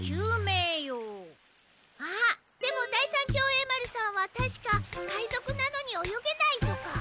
あっでも第三協栄丸さんはたしか海賊なのに泳げないとか。